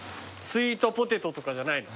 スイートポテトとかじゃないの？